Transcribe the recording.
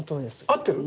合ってる？